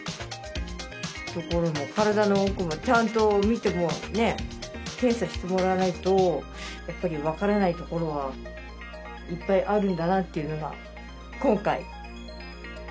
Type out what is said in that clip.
ところも体の奥もちゃんと診て検査してもらわないと分からないところはいっぱいあるんだなというのが今回知らされましたね。